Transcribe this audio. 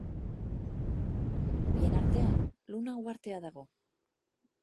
Bien artean Luna Uhartea dago.